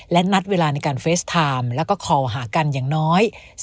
และนัดเวลาในการเฟสไทม์แล้วก็คอหากันอย่างน้อย